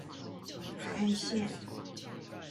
海岸線